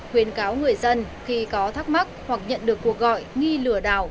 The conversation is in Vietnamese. khuyến cáo người dân khi có thắc mắc hoặc nhận được cuộc gọi nghi lừa đảo